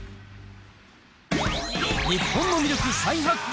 日本の魅力再発見